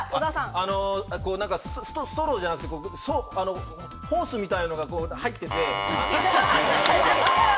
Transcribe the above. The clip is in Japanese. ストローじゃなくて、ホースみたいのが入ってて。